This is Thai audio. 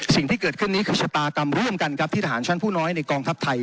สิ่งที่เกิดขึ้นนี้คือชะตากรรมร่วมกันครับที่ทหารชั้นผู้น้อยในกองทัพไทย